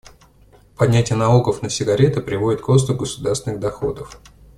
Поднятие налогов на сигареты приводит к росту государственных доходов.